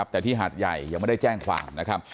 แต่ที่หัดใหญ่ยังไม่ได้แจ้งความ